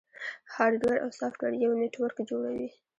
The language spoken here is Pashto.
هارډویر او سافټویر یو نیټورک جوړوي.